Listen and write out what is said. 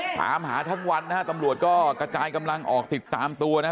ถามหาทั้งวันนะฮะตำรวจก็กระจายกำลังออกติดตามตัวนะฮะ